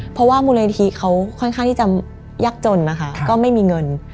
เพราะว่ามูลนิธิเขาค่อนข้างที่จะยากจนนะคะก็ไม่มีเงิน